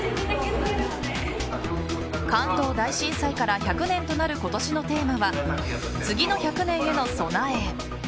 関東大震災から１００年となる今年のテーマは次の１００年への備え。